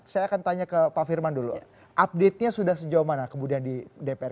saya akan tanya ke pak firman dulu update nya sudah sejauh mana kemudian di dpr